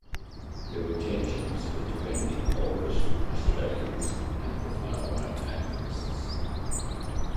There were tensions between the older Australians and the far right activists.